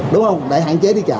đúng không để hạn chế đi chợ